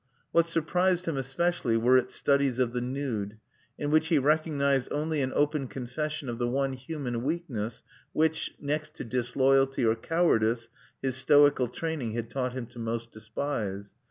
What surprised him especially were its studies of the nude, in which he recognized only an open confession of the one human weakness which, next to disloyalty or cowardice, his stoical training had taught him to most despise.